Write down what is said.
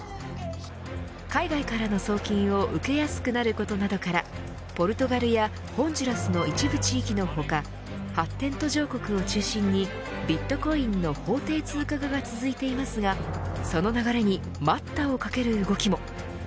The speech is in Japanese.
海外からの送金を受けやすくなることなどからポルトガルやホンジュラスの一部地域の他発展途上国を中心にビットコインの法定通貨化が続いていますがその流れに待ったをかける動きも。